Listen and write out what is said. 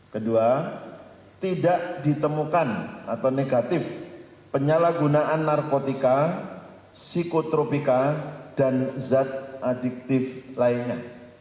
kedua tidak ditemukan atau negatif penyalahgunaan narkotika psikotropika dan zat adiktif lainnya